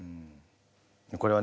これは。